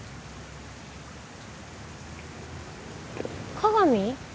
加賀美？